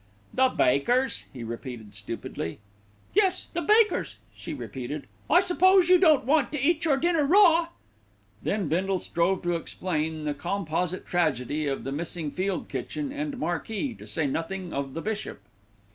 "The bakers!" he repeated stupidly. "Yes, the bakers," she repeated. "I suppose you don't want to eat your dinner raw." Then Bindle strove to explain the composite tragedy of the missing field kitchen and marquee, to say nothing of the bishop.